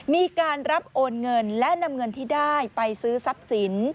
มีการรับโอนเงินและนำเงินที่ได้ไปซื้อทรัพย์สิน